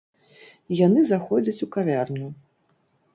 Яны заходзяць у кавярню.